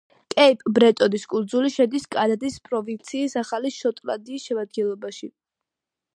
კეიპ-ბრეტონის კუნძული შედის კანადის პროვინციის ახალი შოტლანდიის შემადგენლობაში.